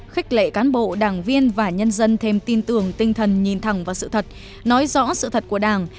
khích lệ cán bộ đảng viên và nhân dân thêm tin tưởng tinh thần nhìn thẳng vào sự thật nói rõ sự thật của đảng